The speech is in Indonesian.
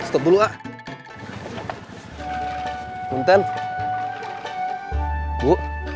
kamu nyari keboy